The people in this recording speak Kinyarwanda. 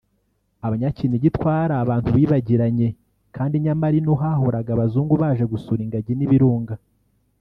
Abanyakinigi twari abantu bibagiranye kandi nyamara ino aha hahoraga abazungu baje gusura ingagi n’ibirunga